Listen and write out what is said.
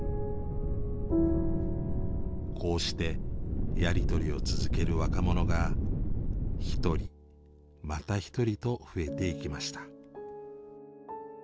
こうしてやり取りを続ける若者が一人また一人と増えていきました。